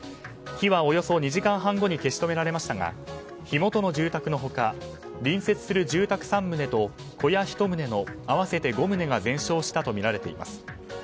火はおよそ２時間半後に消し止められましたが火元の住宅の他隣接する住宅３棟と小屋１棟の合わせて５棟が全焼したとみられています。